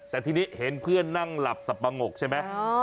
แต่ทีนี้เห็นเพื่อนนั่งหลับสับปะงกใช่ไหม